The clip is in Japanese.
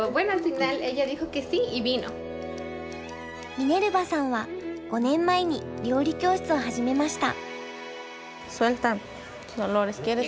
ミネルバさんは５年前に料理教室を始めました。